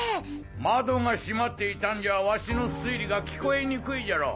窓が閉まっていたんじゃわしの推理が聞こえにくいじゃろう！